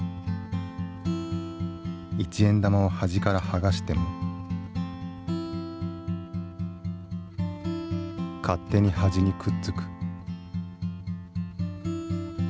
一円玉を端から剥がしても勝手に端にくっつく。